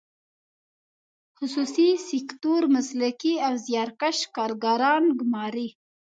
خصوصي سکتور مسلکي او زیارکښ کارګران ګماري.